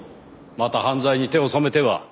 また犯罪に手を染めては。